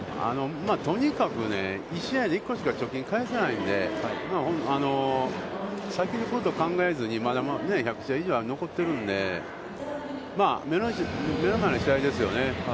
とにかくね、１試合で１個しか貯金は返せないので、先のことを考えずに、まだ１００試合以上残ってるんで目の前の試合ですよね。